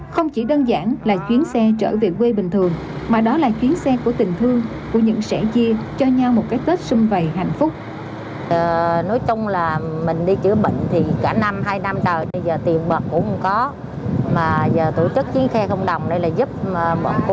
không chỉ đơn giản là chuyến xe trở về quê bình thường mà đó là chuyến xe của tình thương của những sẻng chia cho nhau một cái tết xung vầy hạnh phúc